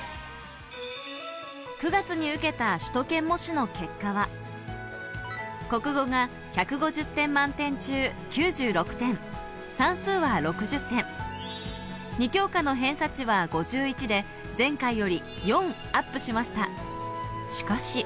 ９月に受けた首都圏模試の結果は、国語が１５０点満点中９６点、算数は６０点、２教科の偏差値は５１で前回より４アップしました。